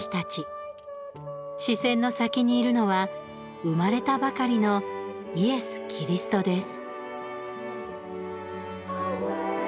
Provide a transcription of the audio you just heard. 視線の先にいるのは生まれたばかりのイエス・キリストです。